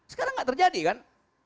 sekarang enggak terjadi kan